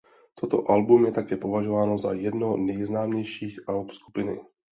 Toto album je také považováno za jedno nejznámějších alb skupiny.